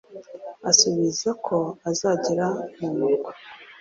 asubiza ko azagera mu murwa